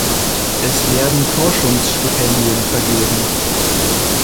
Es werden Forschungsstipendien vergeben.